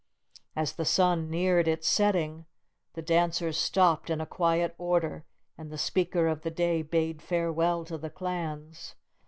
"As the sun neared its setting, the dancers stopped in a quiet order, and the speaker of the day bade farewell to the clans